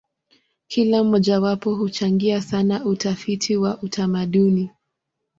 Kila mojawapo huchangia sana utafiti wa utamaduni.